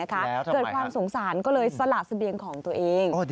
เกิดความสงสารก็เลยสละเสบียงของตัวเอง